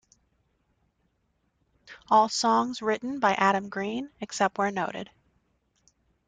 All songs written by Adam Green, except where noted.